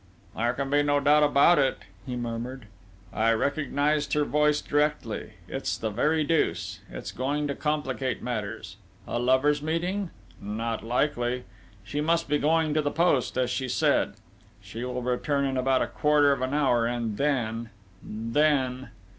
"There can be no doubt about it," he murmured. "I recognised her voice directly!... It's the very deuce!... It's going to complicate matters!... A lover's meeting? Not likely!... She must be going to the post, as she said.... She will return in about a quarter of an hour, and then ... then!..."